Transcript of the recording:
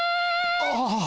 ああ。